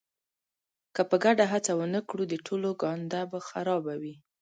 که په ګډه هڅه ونه کړو د ټولو ګانده به خرابه وي.